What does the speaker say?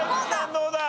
どうだ？